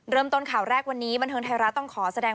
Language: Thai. เริ่มต้นข่าวแรกวันนี้บันเทิงไทยรัฐต้องขอแสดง